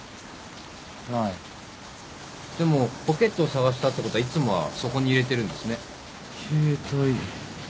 でもポケットを捜したってことはいつもはそこに入れてるんですね。